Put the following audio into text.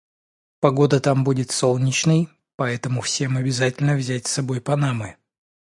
Погода там будет солнечной, поэтому всем обязательно взять с собой панамы.